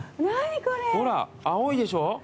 ほら青いでしょ。